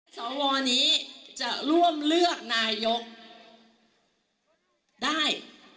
สวนี้จะร่วมเลือกนายกได้